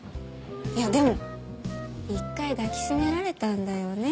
いやでも１回抱きしめられたんだよね？